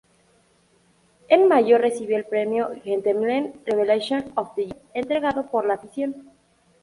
En mayo, recibió el premio "Gentleman Revelation of the Year" entregado por la afición.